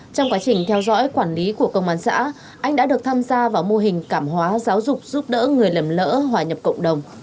trong quá trình theo dõi quản lý của công an xã anh đã được tham gia vào mô hình cảm hóa giáo dục giúp đỡ người lầm lỡ hòa nhập cộng đồng